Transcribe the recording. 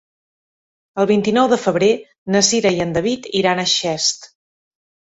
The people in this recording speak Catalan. El vint-i-nou de febrer na Cira i en David iran a Xest.